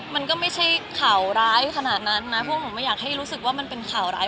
มันก็ไม่ใช่ข่าวร้ายขนาดนั้นนะเพราะผมไม่อยากให้รู้สึกว่ามันเป็นข่าวร้าย